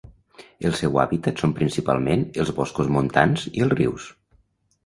El seu hàbitat són principalment els boscos montans i els rius.